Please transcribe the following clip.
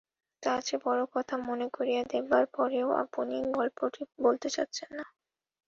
তার চেয়ে বড় কথা মনে করিয়ে দেবার পরেও আপুনি গল্পটি বলতে চাচ্ছেন না।